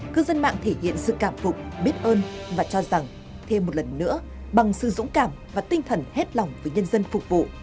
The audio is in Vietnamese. cư dân mạng thể hiện sự cảm phục biết ơn và cho rằng thêm một lần nữa bằng sự dũng cảm và tinh thần hết lòng với nhân dân phục vụ